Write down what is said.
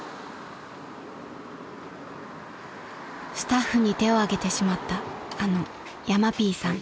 ［スタッフに手をあげてしまったあのヤマピーさん］